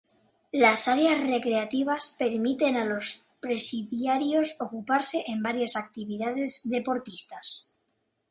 Las área recreativas permiten a los presidiarios ocuparse en varias actividades deportivas.